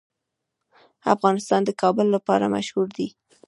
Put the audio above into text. افغانستان د کابل لپاره مشهور دی.